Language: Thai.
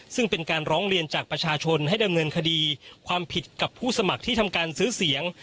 ซึ่งเป็นการร้องเรียนจากประชาชนให้ดำเนินคดีความผิดกับผู้สมัครที่ทำการซื้อเสียง